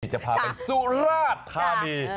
จะพาไปสุราชธานี